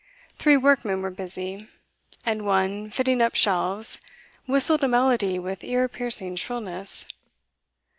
Three workmen were busy, and one, fitting up shelves, whistled a melody with ear piercing shrillness.